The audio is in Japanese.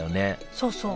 そうそう。